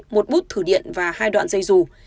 một bút thử điện và hai đoạn dây dù